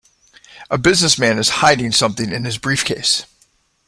A businessman is hiding something in his briefcase.